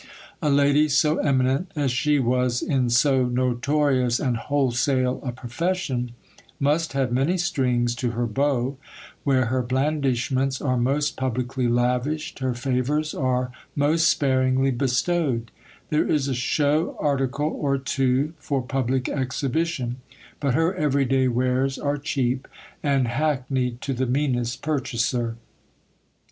A lady, so eminent as she was in so noto rious and wholesale a profession, must have many strings to her bow ; where her blandishments are most publicly lavished, her favours are most sparingly bestowed : there is a show article or two for public exhibition, but her everyday wares are cheap, and hackneyed to the meanest purchaser.